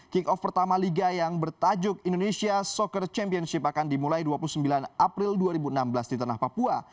kick off pertama liga yang bertajuk indonesia soccer championship akan dimulai dua puluh sembilan april dua ribu enam belas di tanah papua